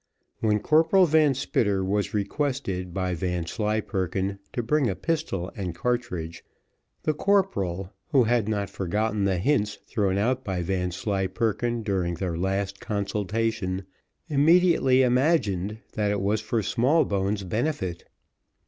When Corporal Van Spitter was requested by Vanslyperken to bring a pistol and cartridge, the corporal, who had not forgotten the hints thrown out by Vanslyperken during their last consultation, immediately imagined that it was for Smallbones' benefit.